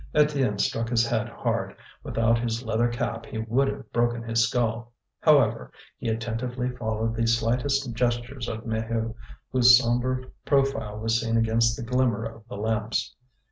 Étienne struck his head hard; without his leather cap he would have broken his skull. However, he attentively followed the slightest gestures of Maheu, whose sombre profile was seen against the glimmer of the lamps.